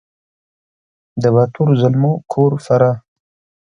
د باتور زلمو کور فراه